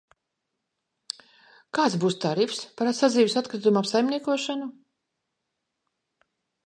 Kāds būs tarifs par sadzīves atkritumu apsaimniekošanu?